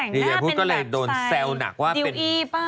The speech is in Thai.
เขาแบบจะแต่งหน้าเป็นแบบใส่ดิวยี่เปล่า